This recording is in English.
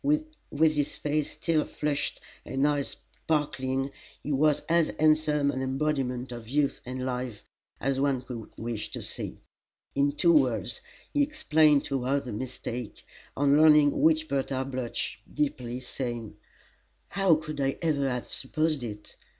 With his face still flushed and eyes sparkling he was as handsome an embodiment of youth and life as one could wish to see. In two words he explained to her the mistake, on learning which Bertha blushed deeply, saying: "How could I ever have supposed it!"